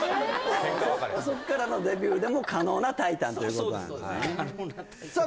ケンカ別れそっからのデビューでも可能なタイタンということなんですねさあ